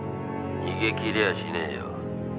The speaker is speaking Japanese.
「逃げ切れやしねえよ」